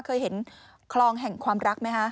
เคยเห็นคลองแห่งความรักไหมคะ